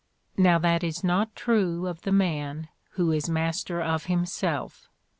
Now that is not true of the man who is master of him self.